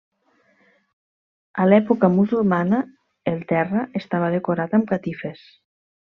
A l'època musulmana, el terra estava decorat amb catifes.